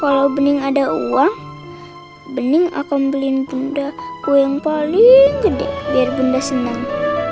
kalau bening ada uang bening akan beliin benda ku yang paling gede biar bunda senang